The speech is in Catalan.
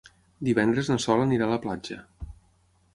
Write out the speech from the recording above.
Divendres na Sol anirà a la platja.